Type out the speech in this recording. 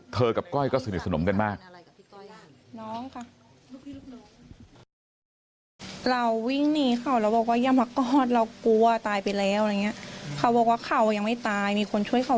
กับก้อยก็สนิทสนมกันมาก